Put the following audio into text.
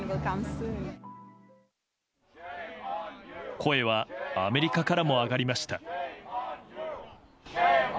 声は、アメリカからも上がりました。